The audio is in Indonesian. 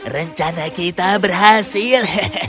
rencana kita berhasil